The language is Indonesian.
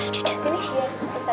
sini ustaz wadah